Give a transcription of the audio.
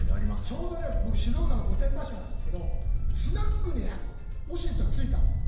ちょうど僕、静岡の御殿場市なんですけどスナックにウォシュレットがついたんです。